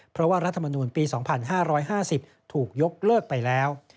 เพราะว่ารัฐมนูลปี๒๕๕๐ถูกยกเลิกไปแล้ว